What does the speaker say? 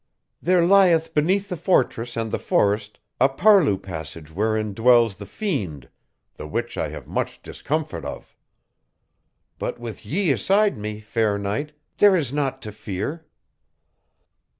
"There lieth beneath the fortress and the forest a parlous passage wherein dwells the fiend, the which I have much discomfit of. But with ye aside me, fair knight, there is naught to fear."